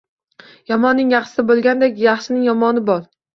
Yomonning yaxshisi bo’lgandan yaxshining yomoni bo’l.